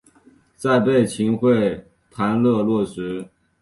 再被秦桧弹劾落职。